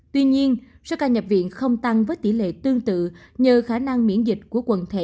tuy nhiên số ca nhập viện không tăng với tỷ lệ tương tự nhờ khả năng miễn dịch của quần thể